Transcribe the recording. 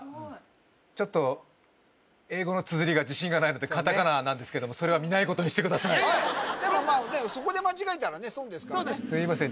ちょっと英語のつづりが自信がないのでカタカナなんですけどもそれはでもまあそこで間違えたらね損ですからねすいません